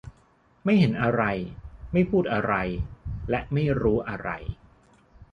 ไม่เห็นอะไร ไม่พูดอะไร และไม่รู้อะไร